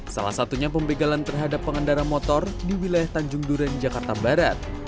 salah satunya pembegalan terhadap pengendara motor di wilayah tanjung duren jakarta barat